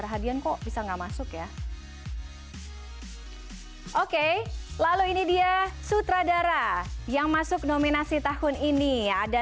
rahadian kok bisa nggak masuk ya oke lalu ini dia sutradara yang masuk nominasi tahun ini ada